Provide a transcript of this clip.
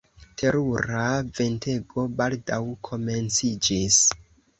Terura ventego baldaŭ komenciĝis.